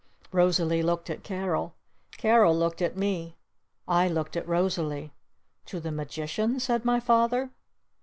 Rosalee looked at Carol. Carol looked at me. I looked at Rosalee. "To the Magician?" said my Father.